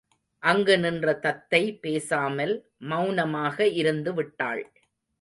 அங்கு நின்ற தத்தை பேசாமல், மெளனமாக இருந்துவிட்டாள்.